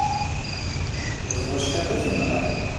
D bucḥiḍ i t-inɣan.